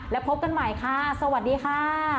แล้วพบกันใหม่ค่ะสวัสดีค่ะ